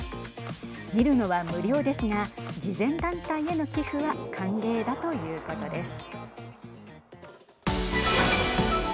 見るのは無料ですが慈善団体への寄付は歓迎だということです。